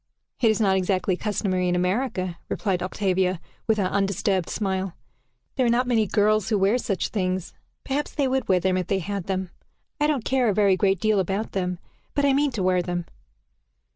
"It is not exactly customary in America," replied Octavia, with her undisturbed smile. "There are not many girls who have such things. Perhaps they would wear them if they had them. I don't care a very great deal about them, but I mean to wear them."